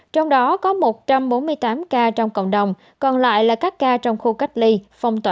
trong đó có một trăm bốn mươi tám ca trong cộng đồng còn lại là các ca trong khu cách ly phong tỏa